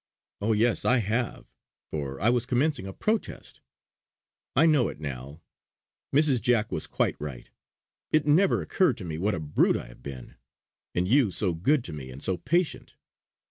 Oh! yes I have" for I was commencing a protest. "I know it now. Mrs. Jack was quite right. It never occurred to me what a brute I have been; and you so good to me, and so patient.